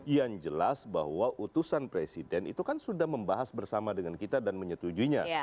yang jelas bahwa utusan presiden itu kan sudah membahas bersama dengan kita dan menyetujuinya